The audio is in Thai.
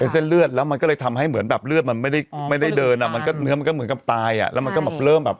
เส้นเลือดใหญ่ของเขา